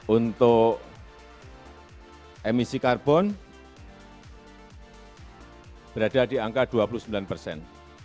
untuk emisi karbon berada di angka dua puluh sembilan persen